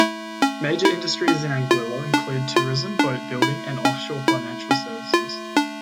Major industries in Anguilla include tourism, boat building, and offshore financial services.